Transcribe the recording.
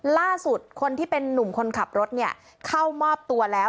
ล่าสุดคนที่เป็นนุ่มคนขับรถเนี่ยเข้ามอบตัวแล้ว